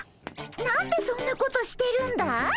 何でそんなことしてるんだい？